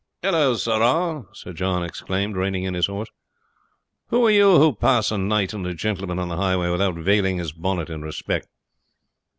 "Hallo, sirrah!" Sir John exclaimed, reining in his horse, "who are you who pass a knight and a gentleman on the highway without vailing his bonnet in respect?"